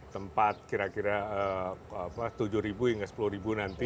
tempat kira kira tujuh hingga sepuluh nanti